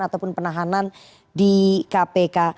ataupun penahanan di kpk